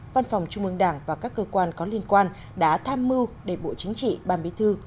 văn phòng trung mương đảng và các cơ quan có liên quan đã tham mưu để bộ chính trị ban bí thư